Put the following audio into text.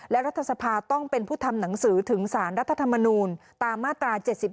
และรัฐสภาต้องเป็นผู้ทำหนังสือถึงสารรัฐธรรมนูลตามมาตรา๗๒